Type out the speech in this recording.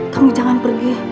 kamu jangan pergi